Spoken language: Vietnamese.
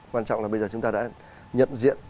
quan trọng là bây giờ chúng ta đã nhận diện